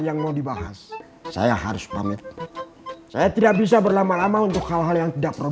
jujur sama saya